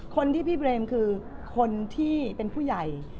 พี่เบรมคือคนที่เป็นผู้ใหญ่